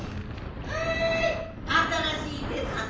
はいあたらしいデザート。